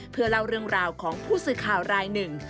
เพื่อเล่าเรื่องราวของผู้สื่อข่าวรายหนึ่ง